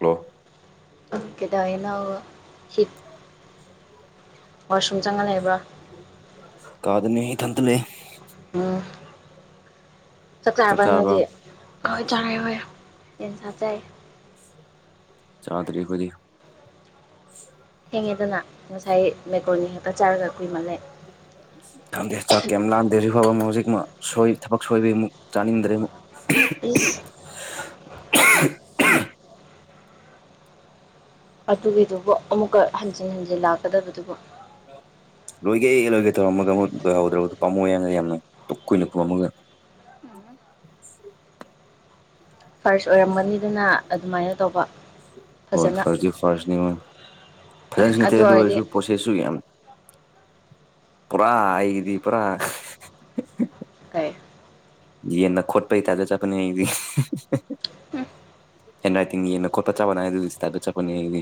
hello ꯀꯗꯥꯏꯅ ꯍꯤꯠ ꯋꯥꯁꯔꯨꯝ ꯆꯪ ꯉ ꯂꯩꯕ ꯀꯥꯗꯅꯤ ꯊꯟꯇ ꯂꯩ ꯎꯝ ꯆꯥꯛ ꯆꯥꯕꯅꯦ ꯍꯧꯗꯤ ꯈꯣꯏ ꯆꯥꯉꯩ ꯍꯣꯏ ꯌꯦꯟ ꯁꯥꯆꯥꯏ ꯆꯥꯗꯔꯤ ꯑꯩꯈꯣꯏꯗꯤ ꯊꯦꯡꯉꯦꯗꯅ ꯉꯁꯥꯏ ꯃꯦꯀꯣꯟꯅꯤ ꯍꯦꯛꯇ ꯆꯥꯔꯒ ꯀꯨꯏꯃꯜ ꯂꯦ [inaudible] ꯈꯪꯗꯦ ꯆꯥꯛ ꯀꯩ ꯂꯥꯟꯗꯦ ꯍꯧꯖꯤꯛꯐꯥꯎꯕ ꯑꯃ ꯍꯧꯖꯤꯛ ꯊꯕꯛ ꯁꯣꯏꯕꯩꯃꯨꯛ ꯆꯥꯅꯤꯡꯗ꯭ꯔꯦ ꯑꯃꯨꯛ ꯄꯤꯁ ꯑꯗꯨꯒꯤꯗꯨꯕꯨ ꯑꯃꯨꯛꯀ ꯍꯟꯖꯤꯟ ꯍꯟꯖꯤꯟ ꯂꯥꯛꯀꯗꯕꯗꯨꯕ ꯂꯣꯏꯒꯦ ꯂꯣꯏꯒꯦ ꯇꯧꯔꯝꯃꯒ ꯑꯃꯨꯛ ꯂꯣꯏꯍꯧꯗ꯭ꯔꯕꯗꯣ ꯄꯥꯃꯣ ꯌꯥꯅ ꯌꯥꯝꯅ ꯀꯨꯏꯅ ꯄꯨꯝꯝꯃꯒ ꯐꯥꯔꯁ ꯑꯣꯏꯔꯝꯒꯅꯤꯗꯅ ꯑꯗꯨꯃꯥꯏꯅ ꯇꯧꯕ ꯍꯣꯏ ꯐꯖꯅ ꯐꯔ ꯐꯔꯁꯅꯤꯉꯣꯏ ꯐꯖꯅꯁꯨ ꯅꯠꯇꯦ ꯑꯗꯨ ꯑꯣꯏꯔꯁꯨ ꯄꯣꯠꯁꯦꯠꯁꯨ ꯌꯥꯝ ꯄꯨꯔꯥ ꯑꯩꯒꯤꯗꯤ ꯄꯨꯔꯥ ꯀꯩ ꯌꯦꯅ ꯈꯣꯠ ꯄꯩ ꯇꯌꯞꯇ ꯆꯠꯄꯅꯤ ꯎꯝ ꯍꯦꯟꯟꯔꯥꯏꯇꯤꯡ ꯌꯦꯅꯥ ꯈꯣꯠꯄꯩ ꯆꯄ ꯅꯅ ꯑꯗꯨ ꯇ ꯑꯗꯨ ꯆꯄꯅꯤ ꯑꯩꯗꯤ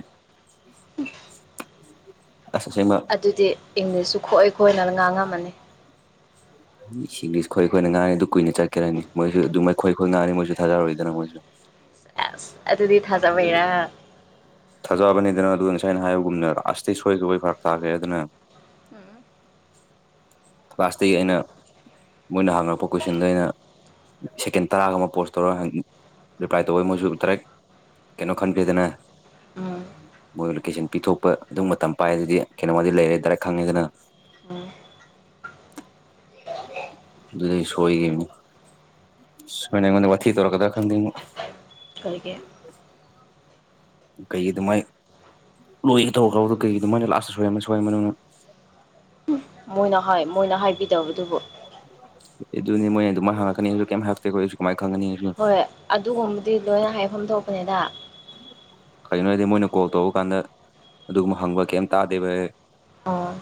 ꯑꯁꯦꯡꯕ ꯑꯗꯨꯗꯤ ꯏꯪꯂꯤꯁꯁꯨ ꯈꯣꯏ ꯈꯣꯏꯅꯅ ꯉꯥꯡꯉꯝꯃꯅꯤ ꯁꯤꯡꯂꯤꯁ ꯈꯣꯏꯈꯣꯏꯅ ꯉꯥꯡꯅꯤ ꯑꯗꯨ ꯀꯨꯏꯅ ꯆꯠꯈꯔꯅꯤ ꯃꯣꯏꯁꯨ ꯑꯗꯨꯝ ꯃꯈꯣꯏ ꯈꯣꯏ ꯈꯣꯏ ꯉꯥꯡꯉꯅꯤ ꯃꯣꯏꯁꯨ ꯊꯥꯖꯔꯨꯣꯏꯏꯗꯅ ꯃꯣꯏꯁꯨ ꯑꯁ ꯑꯗꯨꯗꯤ ꯊꯥꯖꯕꯩꯔꯥ ꯊꯥꯖꯕꯅꯤꯗꯅ ꯑꯗꯨꯒ ꯉꯁꯥꯏꯅ ꯍꯥꯏꯕꯒꯨꯝꯅ ꯑꯁꯇꯩ ꯁꯣꯏ ꯁꯕꯣꯏ ꯐꯔ ꯇꯥꯈꯦ ꯑꯗꯨꯅ ꯎꯝ ꯀ꯭ꯂꯥꯁꯇꯒꯤ ꯑꯩꯅ ꯃꯣꯏꯅ ꯍꯥꯡꯉꯛꯄ ꯀꯣꯏꯁꯟꯗꯣ ꯑꯩꯅ ꯁꯦꯀꯦꯟ ꯇꯔꯥꯒ ꯑꯃ ꯄꯣꯁ ꯇꯧꯔ ꯔꯤꯄ꯭ꯂꯥꯏ ꯇꯧꯕ ꯃꯣꯏꯁꯨ ꯇꯔꯦꯠ ꯀꯩꯅꯣ ꯈꯟꯔꯦꯗꯅ ꯎꯝ ꯃꯣꯏ ꯂꯣꯀꯦꯁꯟ ꯄꯤꯊꯣꯛꯄ ꯑꯗꯨꯝ ꯃꯇꯝ ꯄꯥꯏꯗꯗꯤ ꯀꯩꯅꯣꯃꯗꯤ ꯂꯩꯔꯦ ꯗꯗꯥꯔ ꯈꯪꯉꯦꯗꯅ ꯎꯝ ꯑꯗꯨꯗꯩ ꯁꯣꯏꯈꯤꯕꯅꯤ ꯁꯣꯏꯅ ꯑꯩꯉꯣꯟꯗ ꯋꯥꯊꯤ ꯇꯧꯔꯛꯀꯗ꯭ꯔꯥ ꯈꯪꯗꯦ ꯀꯩꯒꯤ ꯀꯩꯒꯤ ꯑꯗꯨꯃꯥꯏꯅ ꯂꯣꯏꯒꯦ ꯇꯧꯔ ꯈꯥꯎꯕꯗ ꯀꯩꯒꯤ ꯑꯗꯨꯃꯥꯏꯅ ꯂꯥꯁꯑꯇ ꯁꯣꯏꯔꯝꯅ ꯁꯣꯏꯅ ꯃꯣꯏꯅ ꯃꯣꯏꯅ ꯍꯥꯏꯕꯤꯗꯕꯗꯨꯕꯨ ꯑꯗꯨꯅꯤ ꯃꯣꯏꯅ ꯑꯗꯨꯝ ꯍꯉꯛꯅꯤꯁꯨ ꯀꯩꯝ ꯍꯇꯦꯈꯣ ꯑꯩꯁꯨ ꯀꯃꯥꯏ ꯈꯪꯒꯅꯤ ꯑꯩꯁꯨ ꯍꯣꯏ ꯑꯗꯨꯒꯨꯝꯕꯗꯤ ꯂꯣꯏꯅ ꯍꯥꯏꯐꯝ ꯊꯣꯛꯄꯅꯤꯗ ꯀꯔꯤꯒꯤꯅꯣ ꯍꯥꯏꯔꯗꯤ ꯃꯣꯏꯅ ꯀꯣꯜ ꯇꯧꯔ ꯀꯥꯟꯗ ꯑꯗꯨꯒꯨꯝꯕ ꯍꯪꯕ ꯀꯩꯝ ꯇꯥꯗꯦꯕ ꯑꯥ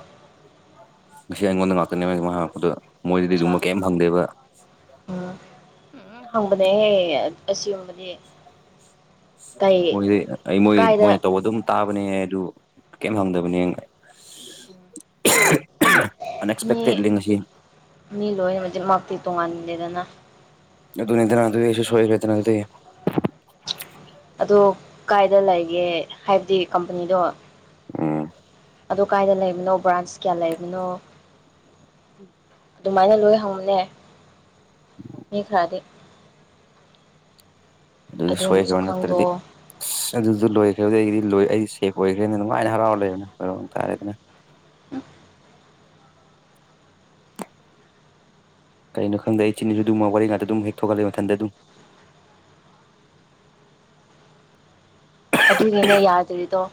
ꯉ ꯑꯩꯉꯣꯟꯗ ꯉꯥꯛꯇꯅꯦ ꯃꯄꯗꯣ ꯃꯣꯏꯗꯗꯤ ꯑꯠꯆꯥ ꯑꯗꯨꯨꯝꯕ ꯀꯩꯝ ꯐꯪꯗꯦꯕ ꯎꯝ ꯎꯝ ꯍꯪꯕꯅꯦꯍꯦ ꯑꯁꯤꯒꯨꯝꯕꯗꯤ ꯀꯩ ꯃꯣꯏꯗꯤ ꯑꯩ ꯃꯣꯏ ꯀꯥꯏꯗ ꯃꯣꯏꯅ ꯇꯧꯕ ꯑꯗꯨꯝ ꯇꯥꯕꯅꯦ ꯑꯗꯨ ꯀꯩꯝ ꯍꯪꯗꯕꯅꯦ ꯃꯤ ꯑꯟꯑꯛꯁꯄꯦꯛꯇꯦꯠꯂꯤ ꯉꯁꯤ ꯃꯤ ꯂꯣꯏꯅꯃꯛꯇꯤ ꯇꯣꯡꯉꯥꯟꯗꯦꯗꯅ ꯑꯗꯨꯅꯤꯗꯅ ꯑꯗꯨꯦ ꯁꯣꯏꯔꯦꯗꯅ ꯑꯗꯨꯗꯩ ꯑꯗꯨ ꯀꯥꯏꯗ ꯂꯩꯒꯦ ꯍꯥꯏꯕꯗꯤ ꯀꯝꯄꯅꯤꯗꯣ ꯎꯝ ꯑꯗꯨ ꯀꯥꯏꯗ ꯂꯩꯕꯅꯣ ꯕ꯭ꯔꯥꯟꯁ ꯀꯌꯥ ꯂꯩꯕꯅꯣ ꯑꯗꯨꯃꯥꯏꯅ ꯂꯣꯏ ꯍꯪꯅꯦ ꯃꯤ ꯈꯔꯗꯤ ꯑꯗꯨꯗꯤ ꯑꯗꯨꯝꯕꯁꯨ ꯁꯣꯏꯈ꯭ꯔ ꯅꯠꯇ꯭ꯔꯗꯤ ꯈꯪꯗꯣꯛꯑꯣ ꯑꯁ ꯑꯗꯨꯁꯨ ꯂꯣꯏꯈ꯭ꯔꯦꯕ ꯑꯩꯒꯤꯗꯤ ꯂꯣꯏ ꯑꯩ ꯁꯦꯞ ꯑꯣꯏꯈ꯭ꯔꯦꯅ ꯑꯗꯨꯃꯥꯏꯅ ꯍꯔꯥꯎꯔ ꯂꯩꯕꯅꯤꯣꯏꯔ ꯇꯥꯔꯦꯗꯅ ꯀꯩꯅꯣ ꯈꯪꯗꯦ ꯏ ꯁꯤꯅꯤꯁꯨ ꯑꯗꯨꯝꯃ ꯋꯥꯔꯤ ꯉꯇ ꯑꯗꯨꯝ ꯍꯦꯛ ꯊꯣꯛꯒꯠꯂꯦ ꯃꯊꯗ ꯑꯗꯨꯝ ꯑꯗꯨꯏꯅꯤꯅꯦ ꯌꯥꯗ꯭ꯔꯤꯗꯣ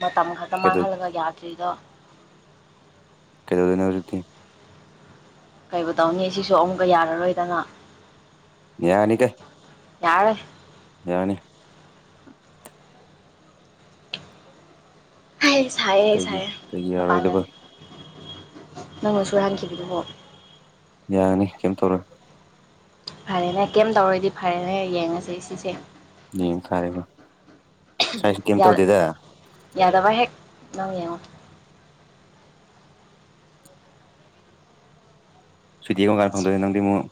ꯃꯇꯝ ꯈꯛꯇ ꯀꯩꯗꯧ ꯃꯥꯡꯍꯜꯂꯒ ꯌꯥꯗ꯭ꯔꯤꯗꯣ ꯀꯩꯗꯣꯔꯤꯅ‌ꯣ ꯍꯧꯖꯤꯛꯇꯤ ꯀꯩꯕꯨ ꯇꯧꯅꯤ ꯁꯤꯁꯨ ꯑꯃꯨꯛꯀ ꯌꯥꯔꯔꯣꯏꯗꯅ ꯌꯥꯅꯤꯗ ꯌꯥꯔꯔ‌ꯣꯏ ꯌꯥꯅꯤ ꯍꯥꯏ ꯁꯥꯏꯌꯦ ꯑꯩ ꯀꯩꯒꯤ ꯁꯥꯏꯌꯦ ꯀꯩꯒꯤ ꯌꯥꯔꯣꯏꯗꯕ ꯃꯄꯥꯟꯅꯔ ꯅꯪꯅ ꯁꯨꯍꯟꯈꯤꯕꯗꯨꯕꯣ ꯌꯥꯅꯤ ꯀꯩꯝꯇꯧꯔꯦ ꯐꯔꯦꯅꯦ ꯀꯩꯝ ꯇꯧꯔꯗꯤ ꯐꯔꯦꯅꯦ ꯌꯦꯡꯉꯁꯦ ꯁꯤꯁꯦ ꯅꯌꯦ ꯐꯥꯔꯦꯒ ꯉꯁꯥꯏꯁꯤ ꯀꯩꯝ ꯇꯧꯗꯦꯗ ꯌꯥꯗꯕ ꯍꯦꯛ ꯅꯪ ꯌꯦꯡꯉꯣ ꯁꯨꯗꯤꯒ ꯀꯔꯝꯀꯥꯟ ꯈꯪꯗ‌ꯣꯏꯅ‌ꯣ ꯅꯪꯗꯤ ꯑꯃꯨꯛ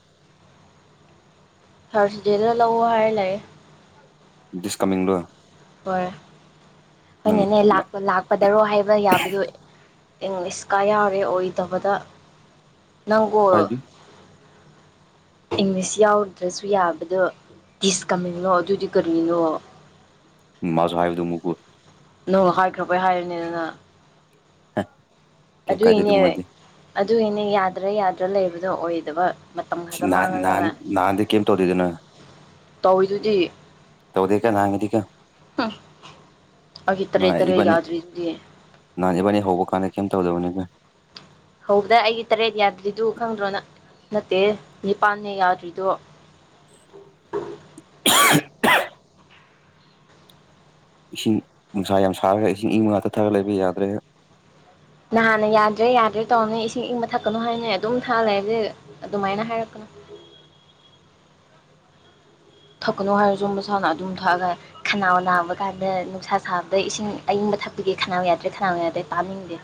ꯊꯥꯔꯁꯗꯦꯗ ꯂꯧꯑꯣ ꯍꯥꯏꯔ ꯂꯩꯔ‌ꯦ ꯗꯤꯁ ꯀꯃꯤꯡꯂ‌ꯣ ꯍꯣꯏ ꯍ‌ꯣꯏ ꯑꯩꯅꯅꯦ ꯂꯥꯛ ꯂꯥꯛ ꯄꯗꯔꯣ ꯍꯥꯏꯕ ꯌꯥꯕꯗꯨ ꯏꯪꯂꯤꯁꯀ ꯌꯥꯎꯔꯦ ꯑꯣꯏꯗꯕꯗ ꯅꯪꯕꯨ ꯍꯥꯏꯗꯤ ꯏꯪꯂꯤꯁ ꯌꯥꯎꯔꯨꯗ꯭ꯔꯁꯨ ꯌꯥꯕꯗꯣ ꯗꯤꯁ ꯀꯝꯃꯤꯂ‌ꯧ ꯑꯗꯨꯗꯤ ꯀꯔꯤꯅꯣ ꯃꯥꯁꯨ ꯍꯥꯏꯕꯗꯨ ꯑꯃꯨꯛ ꯅꯣꯡ ꯍꯥꯏꯈ꯭ꯔꯕ‌ꯣꯏ ꯍꯥꯏꯔꯤꯅꯤꯗꯅ ꯍꯥ ꯑꯗꯨꯏꯅꯦ ꯑꯗꯨꯏꯅꯦ ꯌꯥꯗ꯭ꯔꯥ ꯌꯥꯗ꯭ꯔꯥ ꯂꯩꯕꯗꯣ ꯑꯣꯏꯗꯕ ꯃꯇꯝ ꯈꯛꯇ ꯅꯥꯟ ꯃꯥꯡꯍꯜꯂꯒ ꯅꯥꯟꯗ ꯀꯦꯝ ꯇꯧꯗꯗꯅ ꯇꯧꯋꯤꯗꯨꯗꯤ ꯇꯧꯗ‌ꯦ ꯀ‌ꯣ ꯅꯪꯉꯗꯤ ꯀ‌ꯣ ꯑꯩꯒꯤ ꯇꯔꯦ ꯅꯍꯥꯟ ꯇꯔꯦ ꯏꯕꯥꯅꯤ ꯌꯥꯗ꯭ꯔꯤꯗꯨꯗꯤ ꯅꯍꯥꯟ ꯏꯕꯥꯅꯤ ꯍꯧꯕ ꯀꯥꯟꯗ ꯀꯩꯝ ꯇꯧꯗꯕꯅꯤꯅ ꯍꯧꯕꯗ ꯑꯩꯒꯤ ꯇꯔꯦꯠ ꯌꯥꯗ꯭ꯔꯤꯗꯨ ꯈꯪꯗ꯭ꯔꯣ ꯅꯠꯇꯦ ꯅꯤꯄꯥꯟꯅꯦ ꯌꯥꯗ꯭ꯔꯤꯗꯣ [unintelligible] ꯏꯁꯤꯡ ꯅꯨꯡꯁꯥ ꯌꯥꯝ ꯁꯥꯔꯒ ꯏꯁꯤꯡ ꯏꯪ ꯉꯥꯛꯇ ꯊꯛꯔꯒ ꯂꯩꯕ ꯌꯥꯗ꯭ꯔꯦ ꯅꯍꯥꯟꯅ ꯌꯥꯗ꯭ꯔꯦ ꯌꯥꯗ꯭ꯔꯦ ꯇꯧꯔꯅꯤ ꯏꯁꯤꯡ ꯏꯪꯕ ꯊꯛꯀꯅꯨ ꯍꯥꯏꯅ ꯑꯗꯨꯝ ꯊꯥꯜꯂꯦꯕꯖꯤꯦ ꯑꯗꯨꯃꯥꯏꯅ ꯍꯥꯏꯔꯛꯀꯅꯣ ꯊꯛꯀꯅꯨ ꯍꯥꯏꯔꯁꯨ ꯃꯁꯥꯅ ꯑꯗꯨꯝ ꯊꯛꯑꯒ ꯈꯅꯥꯎ ꯅꯥꯕ ꯀꯥꯟꯗ ꯅꯨꯡꯁꯥ ꯁꯥꯕꯗ ꯏꯁꯤꯡ ꯑꯏꯪꯕ ꯊꯛꯄꯤꯒꯦ ꯈꯅꯥꯎ ꯌꯥꯗ꯭ꯔꯦ ꯈꯅꯥꯎ ꯌꯥꯗ꯭ꯔꯦ ꯇꯥꯅꯤꯡꯗꯦ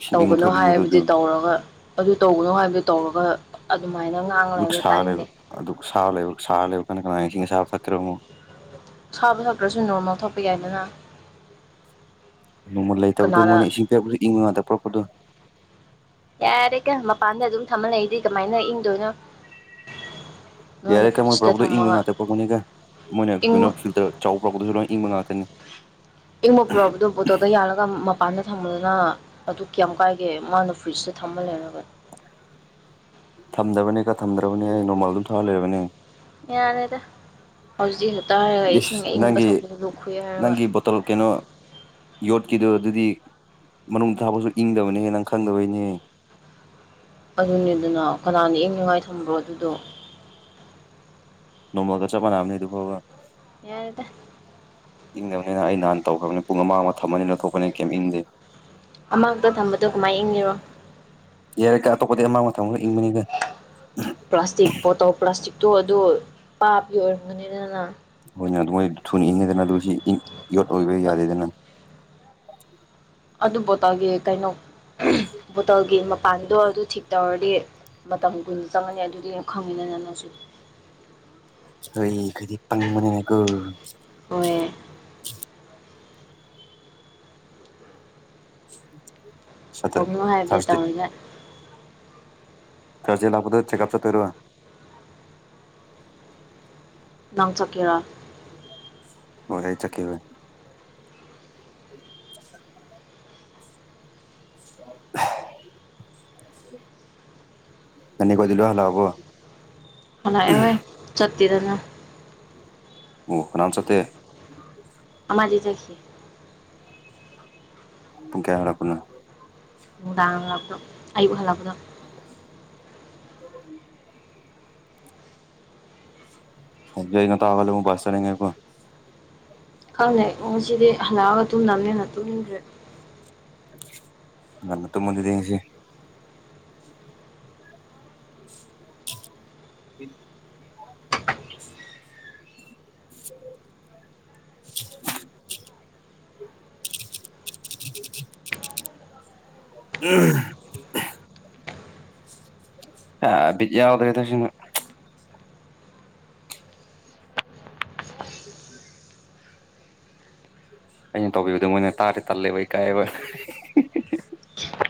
ꯏꯁꯤꯡ ꯏꯪꯕ ꯇꯧꯒꯅꯣ ꯍꯥꯏꯕꯗꯤ ꯊꯛꯅꯤꯡꯕꯗꯨꯗꯨ ꯇꯧꯔꯒ ꯑꯗꯨ ꯇꯧꯕꯅꯣ ꯍꯥꯏꯕꯗꯨ ꯇꯧꯔꯒ ꯑꯗꯨꯃꯥꯏꯅ ꯉꯥꯡꯅ ꯍꯥꯏꯕꯗꯣ ꯇꯥꯅꯤꯡꯗꯦ ꯑꯗꯨ ꯁꯥ ꯂꯩ ꯁꯥ ꯂꯩꯕ ꯀꯥꯟ ꯀꯅꯥ ꯏꯁꯤꯡꯁ ꯁꯥꯕ ꯊꯛꯀ‌ꯦꯔ‌ꯣ ꯉ‌ꯣ ꯁꯥꯕ ꯁꯛꯇ꯭ꯔꯁꯨ ꯅꯣꯡꯃ‌ ꯊꯛꯄ ꯌꯥꯏꯗꯅ ꯅꯣꯡꯃꯜ ꯂꯩꯇꯕꯗꯣ ꯀꯅꯥꯅ ꯃꯣꯏꯅ ꯏꯁꯤꯡ ꯄꯥꯏꯛꯄꯁꯨ ꯏꯪꯕ ꯉꯥꯛꯇ ꯄꯨꯔꯛꯄꯗꯣ ꯌꯥꯔꯦ ꯀ‌ꯣ ꯃꯄꯥꯟꯗ ꯑꯗꯨꯝ ꯊꯝꯃ ꯂꯩꯔꯗꯤ ꯀꯃꯥꯏꯅ ꯏꯪꯗꯣꯏꯅꯣ ꯅꯣꯏꯅ ꯌꯥꯔꯦꯀ‌ꯣ ꯃꯣꯏ ꯐ꯭ꯔꯤꯖꯇ ꯄꯨꯔꯛꯄꯗ‌ꯣ ꯏꯪꯕ ꯊꯝꯃꯒ ꯉꯥꯛꯇ ꯄꯛꯀꯅꯤꯒ ꯃꯣꯏꯅ ꯀꯣꯏꯅ ꯏꯪꯕ ꯐꯤꯜꯇꯔ ꯆꯥꯎꯕ ꯄꯇꯁꯨ ꯂꯣꯏ ꯏꯪꯕ ꯉꯥꯛꯇꯅꯤ ꯏꯪꯕ ꯄꯨꯔꯛꯄꯗ‌ꯣ ꯕꯣꯇꯣꯗ ꯌꯥꯜꯂꯒ ꯃꯄꯥꯟꯗ ꯊꯝꯕꯗꯨꯅ ꯑꯗꯨ ꯀꯌꯥꯝ ꯀꯥꯏꯒꯦ ꯃꯥꯅ ꯐ꯭ꯔꯤꯖꯇ ꯊꯝꯕ ꯂꯩꯔꯒꯅꯤ ꯊꯝꯗꯕꯅꯦ ꯊꯝꯗ꯭ꯔꯕꯅꯦ ꯑꯩ ꯅꯣꯡꯃꯥꯜ ꯑꯗꯨꯝ ꯊꯥꯑ ꯂꯩꯔꯕꯅꯦ ꯌꯥꯔꯦꯗ ꯍꯧꯖꯤꯛꯁꯨꯛ ꯇꯔꯒ ꯏꯁꯤꯡ ꯑꯏꯪꯕ ꯊꯛꯄꯗ ꯂꯣꯛ ꯈꯨꯑꯦ ꯍꯥꯏꯔꯒ ꯇꯣꯜꯂ‌ꯣꯞ ꯀꯩꯅꯣ ꯌꯣꯠꯀꯤꯗꯣ ꯑꯗꯨꯗꯤ ꯃꯅꯨꯡꯗ ꯊꯥꯕꯁꯨ ꯏꯪꯗꯕꯅꯤ ꯍꯦ ꯅꯪ ꯈꯪꯗꯕꯩꯅꯦ ꯑꯗꯨꯅꯤꯗꯅ ꯀꯅꯥꯅ ꯏꯪꯅꯤꯡꯉꯥꯏ ꯊꯝꯕ꯭ꯔꯣ ꯑꯗꯨꯗꯣ [inaudible] ꯅꯣꯡꯃꯜꯒ ꯆꯞ ꯃꯅꯥꯕꯅꯤ ꯑꯗꯨꯐꯥꯎꯕ ꯌꯥꯔ°ꯗ ꯏꯪꯗꯕꯅꯤꯅ ꯑꯩ ꯅꯍꯥꯟ ꯇꯧꯈ꯭ꯔꯕꯅꯤ ꯄꯨꯡ ꯑꯃꯥꯡ ꯑꯃ ꯊꯝꯃꯅꯤꯅ ꯂꯧ ꯊꯣꯛꯄꯅꯤꯅ ꯀꯩꯝ ꯏꯪꯗꯦ ꯑꯃꯥꯡꯛꯇ ꯊꯝꯕꯗꯣ ꯀꯃꯥꯏꯅ ꯏꯡꯂꯤꯔꯣ ꯌꯥꯔꯦꯒ ꯑꯇꯣꯞꯄꯗꯤ ꯑꯃꯥꯡ ꯃꯊꯪ ꯑꯃꯒ ꯏꯪꯕꯅꯤꯒ ꯄ꯭ꯂꯥꯁꯇꯤꯛ ꯕꯣꯇꯜ ꯄ꯭ꯂꯥꯁꯇꯤꯛꯇꯣ ꯑꯗꯨ ꯄꯥꯕꯤ ꯑꯣꯏꯔꯝꯒꯅꯤꯗꯅ ꯍꯣꯏꯅ ꯑꯗꯨ ꯃꯣꯏ ꯊꯨꯅ ꯏꯪꯉꯦꯗꯅ ꯑꯗꯨ ꯁꯤ ꯌꯣꯠ ꯑꯣꯏꯕ ꯌꯥꯗꯦꯗꯅ ꯑꯗꯨꯕꯨꯣ ꯇꯧꯒꯤ ꯀꯩꯅꯣ ꯎ ꯍꯣꯇꯦꯜꯒꯤ ꯃꯄꯥꯟꯗꯣ ꯑꯗꯨ ꯊꯤꯛ ꯇꯧꯔꯗꯤ ꯃꯇꯝ ꯀꯨꯏꯅ ꯆꯪꯉꯅꯤ ꯑꯗꯨꯗꯤ ꯈꯪꯉꯤꯅ ꯅꯅꯁꯨ ꯍꯣꯏ ꯈꯗꯤ ꯄꯪꯕꯅꯤꯅꯦꯀꯣ ꯑꯣꯏꯣꯏ ꯎꯝ ꯇꯧꯅꯣ ꯍꯥꯏꯕꯁ ꯇꯧꯔꯒ ꯆꯔꯖꯦꯥꯛꯄꯣ ꯆꯦꯛꯀꯑ ꯆ ꯇꯔꯑꯣ ꯅꯪꯆꯀꯔ ꯍꯣꯏ ꯑꯩ ꯆꯠꯀꯈꯤꯕ [unintelligible] ꯍꯅꯤ ꯀꯗꯂꯣ ꯍꯜꯂꯣ ꯍꯕꯣ ꯍꯣꯏ ꯆꯇꯔꯅ ꯑꯣ ꯐꯅꯥꯝ ꯆꯇꯦ ꯑꯃꯔꯗꯈꯤ ꯄꯨꯡ ꯀꯌꯥ ꯍꯥꯏꯔꯛꯄꯅꯣ ꯅꯨꯡꯗꯥꯡ ꯍꯜꯂꯛꯄꯗꯣ ꯑꯌꯨꯛ ꯍꯜꯂꯛꯄꯗꯣ ꯎ ꯩꯅ ꯇꯥꯒꯦꯕꯨ ꯄꯁ ꯆꯔꯦꯣ ꯈꯪꯅꯦ ꯏꯉ ꯁꯤꯗꯤ ꯍꯜꯂꯛꯑꯒ ꯇꯨꯝꯅꯕꯅꯦ ꯍꯅ ꯇꯨꯡꯟꯗ꯭ꯔꯦ ꯅꯅ ꯇꯟꯗꯦꯁꯤꯦ [unintelligible] [unintelligible] [unintelligible] ꯎꯝ ꯑ ꯌꯥꯎꯗ꯭ꯔꯣꯗꯁꯤꯅ ꯑꯩꯅ ꯇꯧꯕꯤꯕꯗꯣ ꯃꯣꯏꯅ ꯇꯥꯔꯦ ꯇꯜꯂꯦꯕ ꯑꯩ ꯀꯥꯏꯑꯦꯕ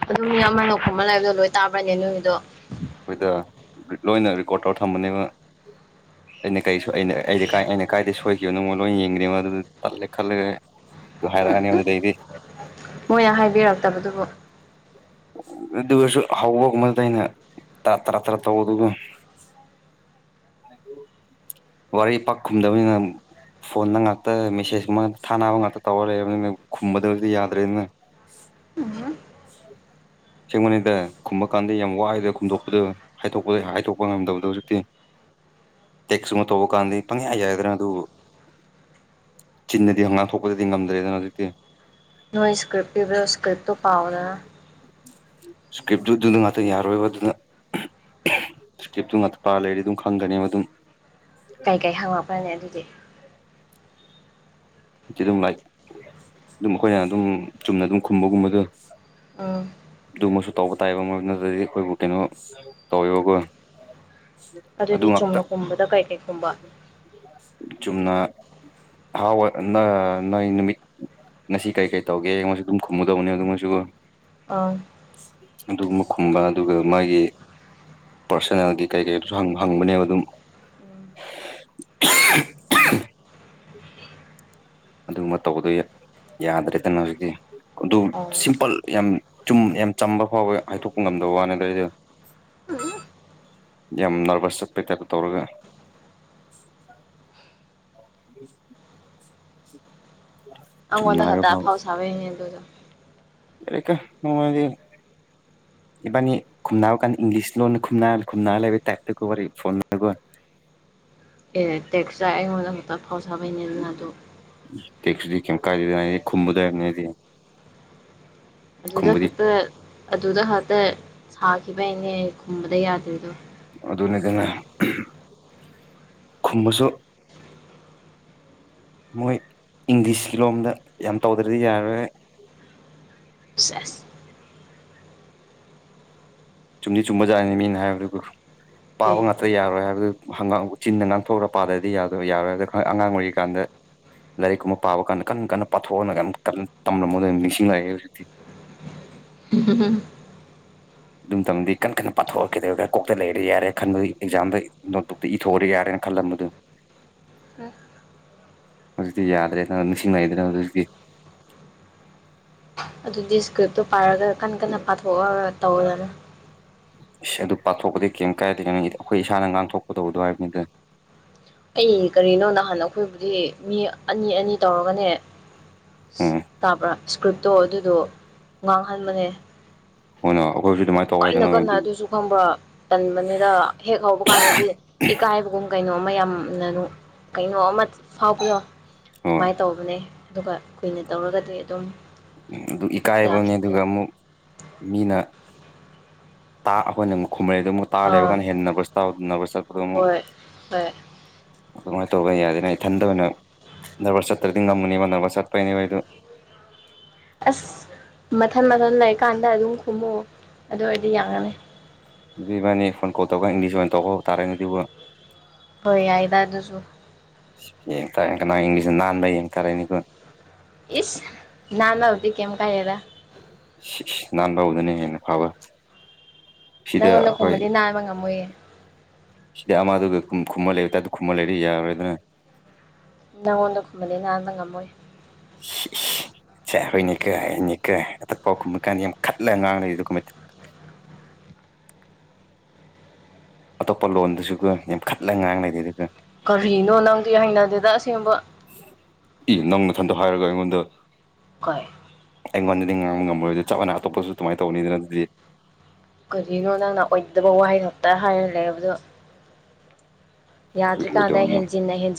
ꯑꯗꯨꯝ ꯃꯤ ꯑꯃ ꯂꯈꯃ ꯂꯩꯕꯗꯣ ꯂꯣꯏ ꯇꯥꯕ꯭ꯔꯅꯦ ꯅꯣꯏꯒꯤꯗꯣ ꯑꯩꯈꯣꯏꯗ ꯂꯣꯏꯅ ꯔꯦꯀꯣꯔꯠ ꯇꯧꯔ ꯊꯝꯕꯅꯦꯕ ꯑꯩꯅ ꯀꯔꯤ ꯑꯩꯅ ꯀ ꯑꯩꯅ ꯀꯥꯏꯗ ꯁꯣꯏꯈꯤꯕꯅꯣꯉꯣ ꯂꯣꯏ ꯌꯦꯡꯗ꯭ꯉꯣ ꯑꯗꯨ ꯇꯠꯂꯦ ꯈꯜꯂꯒ ꯑꯗꯨ ꯍꯥꯏꯔꯛꯑꯅꯤ ꯑꯗꯨꯗꯩꯗꯤ ꯃꯣꯏꯅ ꯍꯥꯏꯕꯤꯔꯛꯇꯕꯗꯨꯕꯨ ꯑꯗꯨꯒꯁꯨ ꯍꯧꯕꯒꯨꯝꯕꯗ ꯑꯩꯅ ꯇꯔꯥ ꯇꯔꯥ ꯇꯧꯕ ꯑꯗꯨꯒ ꯋꯥꯔꯤ ꯄꯥꯛꯈꯨꯝꯗꯕꯅꯤꯅ ꯐꯣꯟꯗ ꯉꯥꯛꯇ ꯃꯦꯁꯦꯖ ꯉꯇ ꯊꯥꯅꯕ ꯉꯥꯛꯇ ꯇꯧꯔ ꯂꯩꯔꯕꯅꯤꯅ ꯈꯨꯝꯕꯗꯕꯨꯗꯤ ꯌꯥꯗ꯭ꯔꯦꯅꯤꯅ ꯑ ꯑ ꯁꯦꯡꯕꯅꯤꯩꯗ ꯈꯨꯝꯕ ꯀꯥꯟꯗ ꯌꯥꯝ ꯋꯥꯏꯗ ꯈꯨꯝꯗꯣꯛꯄꯗ ꯍꯥꯏꯗꯣꯛꯄꯗ ꯍꯥꯏꯗꯣꯛꯄ ꯉꯝꯗꯕꯗꯣ ꯍꯧꯖꯤꯛꯇꯤ ꯇꯦꯛꯁ ꯑꯃ ꯇꯧꯕ ꯀꯥꯟꯗꯤ ꯄꯪꯌꯥ ꯌꯥꯒꯗ꯭ꯔꯥ ꯑꯗꯨ ꯆꯤꯟꯅꯗꯤ ꯍꯪꯒꯥꯥꯡ ꯊꯣꯛꯄꯗꯗꯤ ꯉꯝꯗ꯭ꯔꯦꯗꯅ ꯍꯧꯖꯤꯛꯇꯤ ꯅꯣꯏ ꯏꯁꯀ꯭ꯔꯤꯞ ꯄꯤꯕ꯭ꯔꯣ ꯏꯁꯀ꯭ꯔꯤꯞꯇꯨ ꯄꯥꯎꯗ ꯏꯁꯀ꯭ꯔꯤꯞꯇꯨꯗꯨꯗ ꯉꯥꯛꯇꯪ ꯌꯥꯔꯣꯏꯕ ꯑꯗꯨꯅ ꯀꯦꯞꯇꯨ ꯉꯥꯛ ꯄ ꯂꯩꯔꯤ ꯑꯗꯨꯝ ꯈꯪꯒꯅꯦꯕ ꯑꯗꯨꯝ ꯀꯩꯀꯩ ꯍꯪꯉꯛꯄ꯭ꯔꯅꯦ ꯑꯗꯨꯗꯤ ꯆꯦꯗꯣꯡ ꯂꯥꯏꯠ ꯑꯗꯨꯝ ꯑꯩꯈꯣꯏꯅ ꯑꯗꯨꯝ ꯆꯨꯝꯅ ꯑꯗꯨꯝ ꯈꯨꯝꯕꯒꯨꯝꯕꯗꯣ ꯑꯥ ꯑꯗꯨꯃꯁꯨ ꯇꯧꯕ ꯇꯥꯏꯕ ꯃꯔꯣꯏ ꯑꯗꯨꯗ꯭ꯔꯗꯤ ꯑꯩꯈꯣꯏꯕꯨ ꯀꯩꯅꯣ ꯇꯧꯋꯦꯕꯀꯣ ꯑꯗꯨ ꯑꯗꯨꯗꯤ ꯉꯥꯛꯇ ꯆꯨꯝꯅ ꯀꯨꯝꯕꯗ ꯀꯩ ꯀꯩ ꯈꯨꯝꯕ ꯆꯨꯝꯅ ꯐꯥꯎꯋꯥ ꯅꯣꯏ ꯅꯨꯃꯤꯠ ꯉꯁꯤ ꯀꯔꯤ ꯀꯔꯤ ꯇꯧꯒꯦ ꯑꯩꯉꯣꯏꯁꯨ ꯑꯗꯨꯝ ꯈꯨꯝꯃꯗꯕꯅꯤ ꯑꯗꯨꯉꯣꯏꯁꯨ ꯑꯥ ꯑꯗꯨꯒꯨꯝꯕ ꯈꯨꯝꯕ ꯑꯗꯨꯒ ꯃꯥꯒꯤ ꯄꯥꯔꯁꯣꯅꯦꯜꯒꯤ ꯀꯩ ꯀꯩꯗꯨꯁꯨ ꯍꯪꯕꯅꯦꯕ ꯑꯗꯨꯝ ꯎꯝ ꯑꯗꯨꯒꯨꯝꯕ ꯇꯧꯕꯗꯣ ꯌꯥꯗ꯭ꯔꯦꯗꯅ ꯍꯧꯖꯤꯛꯇꯤ ꯑꯗꯨ ꯑꯣ ꯁꯤꯝꯄꯜ ꯌꯥꯝ ꯆꯨꯝ ꯌꯥꯝ ꯆꯝꯕ ꯐꯥꯎꯕ ꯍꯥꯏꯗꯣꯛꯄ ꯉꯝꯗꯕ ꯋꯥꯅꯤ ꯑꯗꯨꯏꯗ ꯌꯥꯝ ꯅꯔꯚꯁ ꯆꯠꯄꯩ ꯇꯥꯏꯄ ꯇꯧꯔꯒ [inaudible] [inaudible] ꯑꯉꯣꯟꯗ ꯍꯥꯏꯕ ꯈꯛꯇ ꯐꯥꯎ ꯑꯐꯥꯎ ꯁꯥꯕꯩꯅꯦ ꯑꯗꯨꯗꯣ [unintelligible] ꯏꯕꯥꯅꯤ ꯈꯨꯝꯅꯕꯀꯥꯟ ꯏꯪꯂꯤꯁ ꯂꯣꯟꯅ ꯈꯨꯝ ꯈꯨꯝꯅꯔ ꯂꯩꯕ ꯇꯥꯏꯞꯇ ꯋꯥꯔꯤ ꯐꯣꯟꯒ ꯑꯦ ꯇꯦꯛꯁꯇ ꯑꯩꯉꯣꯟꯗꯃꯛꯇ ꯑꯐꯥꯎ ꯁꯥꯕꯩꯅꯤꯗꯅ ꯑꯗꯣ ꯇꯦꯀꯁ꯭ꯇꯥꯗꯤ ꯀꯩꯝ ꯀꯥꯏꯗꯦꯗ ꯈꯨꯝꯕꯗꯥꯗꯤ ꯑꯗꯨꯗ ꯈꯛꯇ ꯑꯗꯨꯗ ꯈꯛꯇ ꯁꯥꯈꯤꯕꯒꯤꯅꯦ ꯈꯨꯝꯕꯗ ꯌꯥꯗ꯭ꯔꯤꯗꯣ ꯑꯗꯨꯅꯤꯗꯅ ꯈꯨꯝꯕꯁꯨ ꯃꯣꯏ ꯏꯪꯂꯤꯁꯂꯣꯝꯗ ꯌꯥꯝ ꯇꯧꯗ꯭ꯔꯗꯤ ꯌꯥꯔꯣꯏꯍꯦ ꯁꯦꯁ ꯆꯨꯝꯗꯤ ꯆꯨꯝꯕꯖꯥꯠꯅꯤ ꯃꯤꯅ ꯍꯥꯏꯕꯗꯀꯣ ꯑꯣꯀꯦ ꯄꯥꯕ ꯉꯥꯛ ꯌꯥꯔꯣꯏ ꯍꯥꯏꯕꯗꯨ ꯍ ꯆꯤꯟꯅ ꯉꯥꯡꯊꯣꯛꯎꯒ ꯄꯥꯗ꯭ꯔꯗꯤ ꯌꯥꯗꯣꯏ ꯌꯥꯔꯣꯏ ꯍꯥꯏꯕꯗ ꯑꯉꯥꯡ ꯑꯣꯏꯔꯤꯀꯥꯟꯗ ꯂꯥꯏꯔꯤꯛꯀꯨꯝꯕ ꯄꯥꯕ ꯀꯥꯟꯗ ꯀꯟꯅ ꯀꯟꯅ ꯄꯥꯊꯣꯛꯑꯒ ꯀꯟꯅ ꯇꯝꯂꯝ ꯃꯗ ꯅꯤꯡꯁꯤꯡꯉꯂꯛꯑꯦ ꯍꯧꯖꯤꯛꯇꯤ [unintelligible] ꯑꯗꯨꯝ ꯇꯝꯗꯤ ꯀꯟꯅ ꯀꯟꯅ ꯄꯥꯊꯣꯔꯛꯀꯗꯧꯔ ꯀꯣꯛꯇ ꯂꯩꯔꯗꯤ ꯌꯥꯔꯦ ꯈꯟꯕꯒꯤ ꯑꯦꯛꯖꯥꯝꯗ ꯅꯣꯠꯕꯨꯛ ꯇ ꯏꯊꯣꯛꯑꯗꯤ ꯌꯥꯔꯦꯅ ꯈꯜꯂꯝꯕꯗꯨ ꯎꯝ ꯍꯧꯖꯤꯛꯇꯤ ꯌꯥꯗ꯭ꯔꯦ ꯅꯪ ꯅꯤꯡꯁꯤꯡ ꯉꯏꯗ꯭ꯔꯅ ꯍꯧꯖꯤꯛꯇꯤ ꯑꯗꯨꯗꯤ ꯏꯁꯀ꯭ꯔꯤꯞꯇꯣ ꯄꯥꯔꯒ ꯀꯟꯅ ꯀꯟꯅ ꯄꯥꯊꯣꯛꯑ ꯇꯧꯋꯦꯗꯅ ꯏꯁ ꯑꯗꯨ ꯄꯥꯛꯊꯣꯛꯄꯗꯤ ꯀꯔꯤꯝ ꯀꯥꯏꯔꯗꯅꯦ ꯑꯩꯈꯣꯏ ꯏꯁꯥꯅ ꯉꯥꯡꯊꯣꯛꯄꯗꯧꯗꯣ ꯍꯥꯏꯕꯅꯤꯗꯅ ꯑꯩ ꯀꯔꯤꯅꯣ ꯅꯍꯥꯟ ꯑꯩꯈꯣꯏꯕꯨꯗꯤ ꯃꯤ ꯑꯅꯤ ꯑꯅꯤ ꯇꯧꯔꯒꯅꯦ ꯎꯝ ꯇꯥꯕ꯭ꯔꯥ ꯏꯁꯀ꯭ꯔꯤꯞꯇꯣ ꯑꯗꯨꯗꯣ ꯉꯥꯡꯍꯟꯕꯅꯦ ꯍꯣꯏꯅ ꯑꯩꯈꯣꯏꯁꯨ ꯗꯨꯃꯥꯏ ꯀꯟꯅ ꯀꯟꯅ ꯑꯗꯨꯁꯨ ꯈꯪꯕꯔ꯭ ꯇꯟꯕꯅꯤꯗ ꯍꯦꯛ ꯍꯧꯕꯀꯥꯟꯗꯗꯤ ꯏꯀꯥꯏꯕꯒꯨꯝ ꯀꯩꯅꯣ ꯑꯃ ꯌꯥꯝꯅ ꯀꯩꯅꯣ ꯑꯃ ꯐꯥꯎꯕꯗꯣ ꯍꯣꯏ ꯑꯗꯨꯃꯥꯏꯅ ꯇꯧꯕꯅꯦ ꯑꯗꯨꯒ ꯀꯨꯏꯅ ꯇꯧꯔꯒꯗꯤ ꯑꯗꯨꯝ ꯑꯗꯨ ꯏꯀꯥꯏꯕꯅꯤ ꯌꯥꯈꯤꯕꯗꯣ ꯑꯗꯨꯒ ꯑꯃꯨꯛ ꯃꯤꯅ ꯇꯥꯛꯑ ꯑꯩꯈꯣꯏꯅꯃꯨꯛ ꯈꯨꯝꯔꯦꯗꯨ ꯇꯥꯜ ꯑꯥ ꯂꯩꯕꯀꯥꯟꯅ ꯍꯦꯟꯅ ꯅꯔꯕꯁ ꯅꯔꯕꯁ ꯆꯠꯄꯗꯣ ꯑꯃꯛ ꯍꯣꯏ ꯍꯣꯏ ꯑꯗꯨꯃꯥꯏꯅ ꯇꯧꯔꯒ ꯌꯥꯗꯅ ꯏꯊꯟꯇ ꯑꯣꯏꯅ ꯅꯔꯕꯁ ꯆꯠꯇ꯭ꯔꯗꯤ ꯉꯝꯃꯅꯦꯕ ꯅꯔꯕꯁ ꯆꯠꯄꯩꯅꯦꯕ ꯑꯩ ꯑꯗꯨ ꯑꯁ ꯃꯊꯟ ꯃꯊꯟ ꯂꯩꯔꯀꯥꯟꯗ ꯑꯗꯨꯝ ꯈꯨꯝꯃꯣ ꯑꯗꯨ ꯑꯣꯏꯔꯗꯤ ꯌꯥꯒꯅꯤ ꯑꯗꯨꯗꯤ ꯏꯕꯥꯅꯤ ꯐꯣꯟ ꯀꯣꯜ ꯇꯧꯔꯒ ꯏꯪꯂꯤꯁ ꯑꯣꯏꯅ ꯇꯧꯕ ꯇꯥꯔꯦꯅꯦ ꯑꯗꯨꯕꯨ ꯍꯣꯏ ꯌꯥꯏꯗꯥ ꯑꯗꯨꯁꯨ ꯌꯦꯡ ꯇꯥꯔꯦ ꯀꯅꯥ ꯏꯪꯂꯤꯁ ꯅꯥꯟꯕ ꯌꯦꯡꯇꯥꯔꯦꯅꯦꯀꯣ ꯏꯁ ꯅꯥꯟꯅꯕꯗꯤ ꯀꯦꯝ ꯀꯥꯏꯗꯦꯗꯥ [unintelligible] ꯁꯤꯗ ꯅꯪꯉꯣꯟ ꯅ ꯑꯩꯈꯣꯏ ꯈꯨꯝꯕꯗꯤ ꯅꯥꯟꯕ ꯉꯝꯃꯣꯏꯌꯦ ꯁꯤꯗꯤ ꯑꯃꯗꯨꯒ ꯈꯨꯝꯃꯟ ꯂꯩꯗ ꯈꯨꯝꯃꯟ ꯂꯩꯔ ꯌꯥꯔꯦ ꯑꯗꯨꯅ ꯅꯪꯉꯣꯟꯗ ꯈꯨꯝꯃꯅꯤ ꯅꯍꯥꯟꯗ ꯉꯝꯃꯣꯏ ꯍꯣꯏꯅꯦꯀ ꯏꯅꯦ ꯀ ꯑꯇꯛ ꯄꯥꯎ ꯀꯨꯝꯕ ꯀꯥꯟꯗ ꯌꯥꯝ ꯈꯠꯂꯒ ꯉꯥꯡ ꯂꯩꯔꯤ ꯑꯗꯨ ꯑꯇꯣꯞꯄ ꯂꯣꯟꯗꯁꯨꯒ ꯌꯥꯝ ꯈꯠꯂꯒ ꯉꯥꯡꯅꯗꯦ ꯑꯗꯨꯒ ꯀꯔꯤꯅꯣ ꯅꯪꯗꯤ ꯍꯩꯅꯗꯦꯗ ꯑꯁꯦꯡꯕ ꯏ ꯅꯪ ꯃꯊꯟꯗ ꯍꯥꯏꯔꯒ ꯑꯩꯉꯣꯟꯗ ꯀꯣꯏ ꯑꯩꯉꯣꯟꯗꯗꯤ ꯉꯥꯡꯕ ꯉꯝꯔꯣꯏꯗꯤ ꯆꯞ ꯃꯥꯟꯅ ꯑꯇꯣꯞꯄꯁꯨ ꯑꯗꯨꯃꯥꯏꯅ ꯇꯧꯅꯤꯗꯅ ꯑꯗꯨꯗꯤ ꯀꯔꯤꯒꯤꯅꯣ ꯅꯪꯅ ꯑꯣꯏꯗꯕ ꯋꯥꯍꯩ ꯉꯥꯛꯇ ꯍꯥꯏꯔ ꯂꯩꯕꯗꯣ ꯑꯩꯈꯣꯏ ꯌꯥꯗ ꯀꯥꯟꯗ ꯑꯣꯏꯗꯕꯅ ꯍꯦꯟꯖꯤꯟꯅ ꯍ